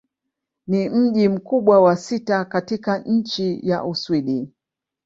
Ni mji mkubwa wa sita katika nchi wa Uswidi.